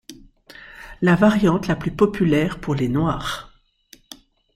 La variante la plus populaire pour les Noirs.